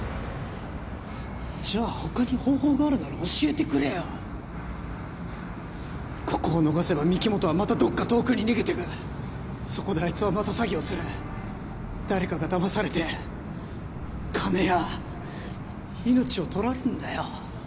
じゃあ他に方法があるなら教えてくれよっここを逃せば御木本はまたどっか遠くに逃げてくそこであいつはまた詐欺をする誰かがだまされて金や命をとられんだよ